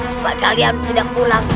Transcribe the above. sebab kalian tidak kurang